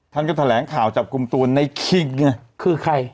ท่านก็แถลงข่าวจับกลุ่มตัวในคิงไงคือใคร